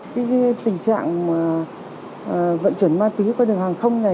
cái tình trạng vận chuyển ma túy qua đường hàng không này